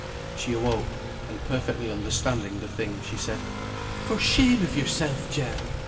She awoke, and perfectly understanding the thing, she said, "For shame of yourself, Jem!